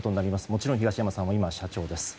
もちろん東山さんは今、社長です。